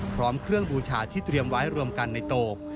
พร้อมเครื่องบูชาที่เตรียมไว้รวมกันในโตก